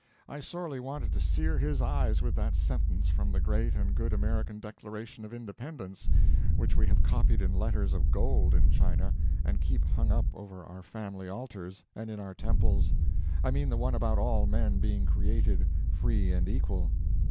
I sorely wanted to sear his eyes with that sentence from the great and good American Declaration of Independence which we have copied in letters of gold in China and keep hung up over our family altars and in our temples I mean the one about all men being created free and equal.